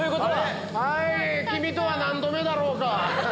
はい君とは何度目だろうか。